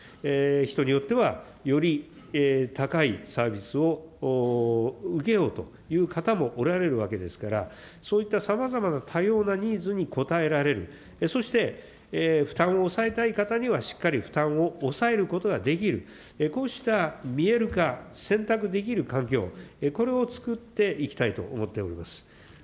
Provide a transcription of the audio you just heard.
人によってはより高いサービスを受けようという方もおられるわけですから、そういったさまざまな多様なニーズに応えられる、そして負担を抑えたい方には、しっかり負担を抑えることができる、こうした見える化、選択できる環境、これをつくっていきたいと思っております。